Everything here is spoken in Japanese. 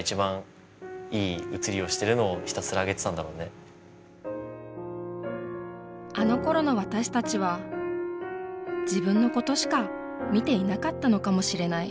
もっとこうあのころの私たちは自分のことしか見ていなかったのかもしれない。